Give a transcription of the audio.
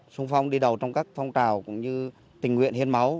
sung phong đi đầu trong các phong trào cũng như tình nguyện hiến máu